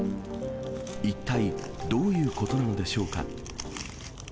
一体どういうことなのでしょうか。